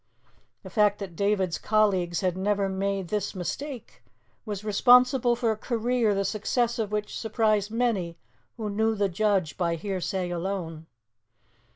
The fact that David's colleagues had never made this mistake was responsible for a career the success of which surprised many who knew the judge by hearsay alone.